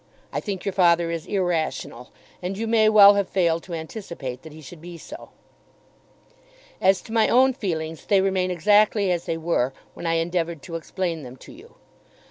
I think your father is irrational; and you may well have failed to anticipate that he should be so. As to my own feelings they remain exactly as they were when I endeavoured to explain them to you.